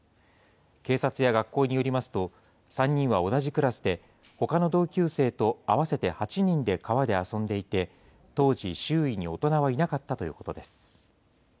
警察や学校によりますと、３人は同じクラスで、ほかの同級生と合わせて８人で川で遊んでいて、当時、周囲に大人はいなかったということです。